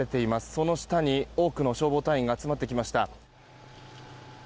その下に、多くの消防隊員が集まってきました。